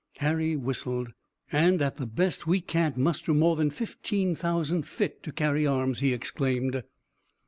Harry whistled. "And at the best we can't muster more than fifteen thousand fit to carry arms!" he exclaimed.